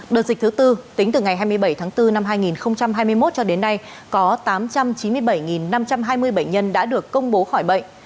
đợt dịch thứ tư tính từ ngày hai mươi bảy tháng bốn năm hai nghìn hai mươi một cho đến nay có tám trăm chín mươi bảy năm trăm hai mươi bệnh nhân đã được công bố khỏi bệnh